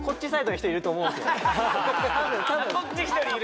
たぶんこっち１人いる？